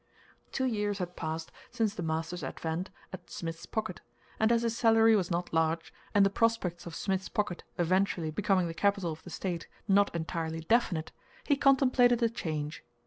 Two years had passed since the master's advent at Smith's Pocket, and as his salary was not large, and the prospects of Smith's Pocket eventually becoming the capital of the State not entirely definite, he contemplated a change.